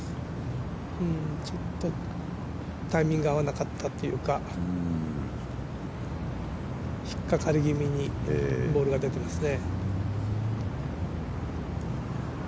ちょっとタイミングが合わなかったというか、引っかかり気味にボールが出てますね。